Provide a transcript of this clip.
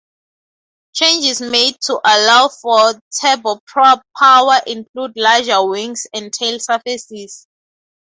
Changes made to allow for turboprop power include larger wings and tail surfaces.